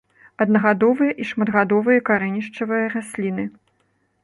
Аднагадовыя і шматгадовыя карэнішчавыя расліны.